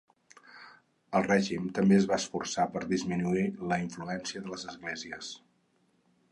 El règim també es va esforçar per disminuir la influència de les esglésies.